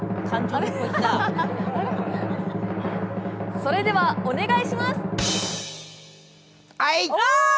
それではお願いします。